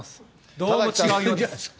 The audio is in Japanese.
どうも違うよう。